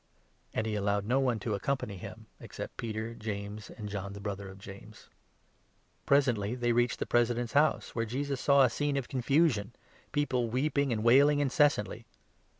And he allowed no one to accompany him, except Peter, 37 James, and John, the brother of James. Presently they 38 reached the President's house, where Jesus saw a scene of confusion — people weeping and wailing incessantly.